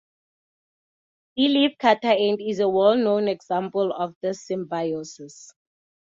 The leafcutter ant is a well-known example of this symbiosis.